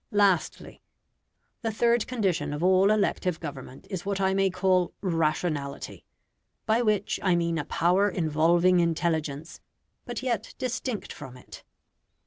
Lastly. The third condition of all elective government is what I may call RATIONALITY, by which I mean a power involving intelligence, but yet distinct from it.